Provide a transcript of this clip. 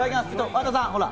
和田さん、ほら。